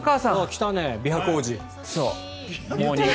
来たね、美白王子。